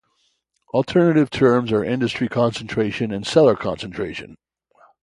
Alternative terms are Industry concentration and Seller concentration.